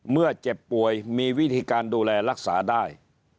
เมื่อเจ็บป่วยมีวิธีการดูแลรักษาได้